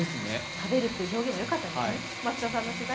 食べるっていう表現もよかったですね。